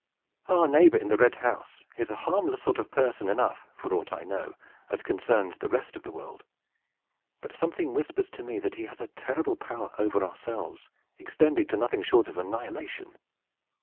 Our neighbor in the red house is a harmless sort of person enough, for aught I know, as concerns the rest of the world; but something whispers to me that he has a terrible power over ourselves, extending to nothing short of annihilation."